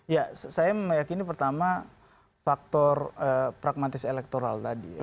ya saya meyakini pertama faktor pragmatis elektoral tadi